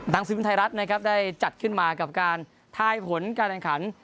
น้องเสือพิมพ์ไทยรัฐได้จัดขึ้นมากับการท้ายผลการแด่งขัน